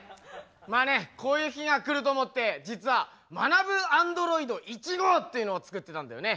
まあねこういう日がくると思って実はまなぶアンドロイド１号っていうのを作ってたんだよね。